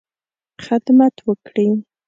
خدمت وکړې.